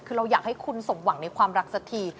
คือเราอยากให้คุณสมหวังในความรักสักที